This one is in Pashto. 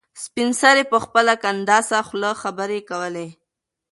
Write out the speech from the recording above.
سپین سرې په خپله کنډاسه خوله خبرې کولې.